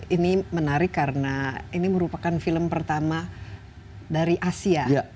ini menarik karena ini merupakan film pertama dari asia